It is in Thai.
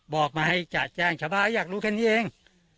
บอกมาให้จะแจ้งชาวบ้านอยากรู้แค่นี้เอง